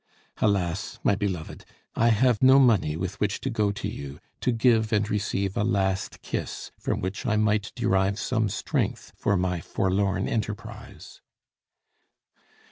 Alas! my beloved, I have no money with which to go to you, to give and receive a last kiss from which I might derive some strength for my forlorn enterprise.